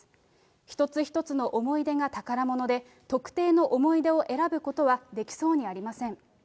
一つ一つの思い出が宝物で、特定の思い出を選ぶことはできそうにありません。